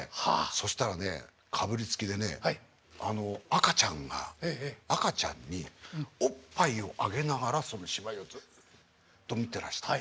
そしたらねかぶりつきでねあの赤ちゃんが赤ちゃんにおっぱいをあげながらその芝居をずっと見てらしたの。